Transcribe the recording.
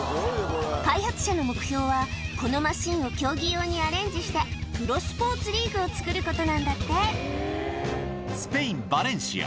開発者の目標は、このマシンを競技用にアレンジしてプロスポーツリーグを作ることスペイン・バレンシア。